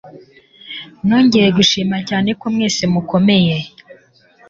Nongeye gushimira cyane ko mwese mukomeye